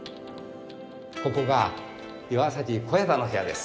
ここが岩小彌太の部屋です。